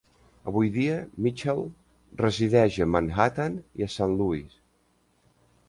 Avui dia, Mitchell resideix a Manhattan i a Saint Louis.